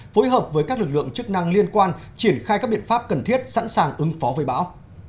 phối hợp với các lực lượng chức năng liên quan triển khai các biện pháp cần thiết sẵn sàng ứng phó với bão